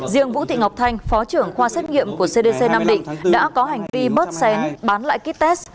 riêng vũ thị ngọc thanh phó trưởng khoa xét nghiệm của cdc nam định đã có hành vi bớt xén bán lại kites